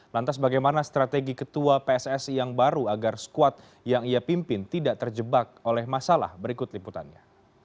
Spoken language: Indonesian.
lantas bagaimana strategi ketua pssi yang baru agar skuad yang ia pimpin tidak terjebak oleh masalah berikut liputannya